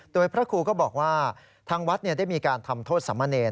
โดยพระครูก็บอกว่าทางวัดได้มีการทำโทษสมเนร